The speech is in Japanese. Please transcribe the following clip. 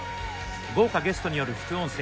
豪華ゲストによる副音声